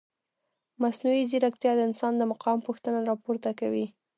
مصنوعي ځیرکتیا د انسان د مقام پوښتنه راپورته کوي.